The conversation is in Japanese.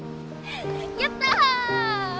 やった！